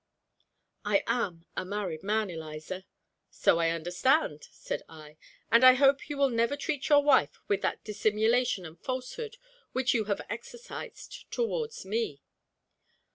"I am a married man, Eliza." "So I understand," said I; "and I hope you will never treat your wife with that dissimulation and falsehood which you have exercised towards me."